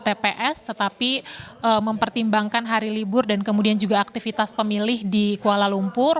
tps tetapi mempertimbangkan hari libur dan kemudian juga aktivitas pemilih di kuala lumpur